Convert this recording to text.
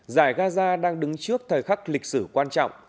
giải gaza đang đứng trước thời khắc lịch sử quan trọng